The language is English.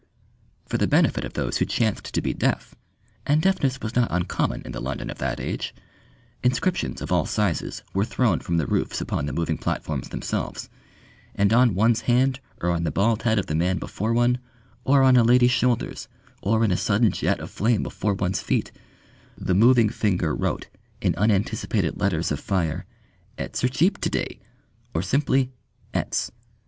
For the benefit of those who chanced to be deaf and deafness was not uncommon in the London of that age, inscriptions of all sizes were thrown from the roof above upon the moving platforms themselves, and on one's hand or on the bald head of the man before one, or on a lady's shoulders, or in a sudden jet of flame before one's feet, the moving finger wrote in unanticipated letters of fire "'ets r chip t'de," or simply "'ets."